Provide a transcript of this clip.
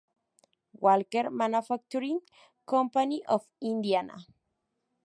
Walker Manufacturing Company of Indiana.